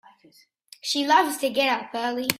She loves to get up early.